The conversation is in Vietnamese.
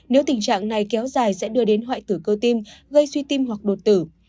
nếu tình trạng này kéo dài sẽ đưa đến hoại tử cơ tim gây suy tim hoặc đột tử